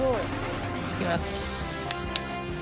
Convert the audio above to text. つけます。